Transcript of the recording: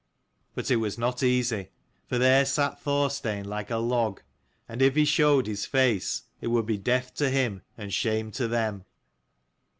But it was not easy. For there sat Thorstein like a log, and if he showed his face it would be death to him and shame to them.